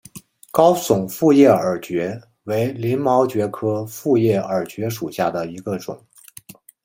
高耸复叶耳蕨为鳞毛蕨科复叶耳蕨属下的一个种。